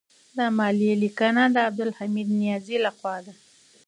دا مالي لیکنه د عبدالحمید نیازی لخوا ده.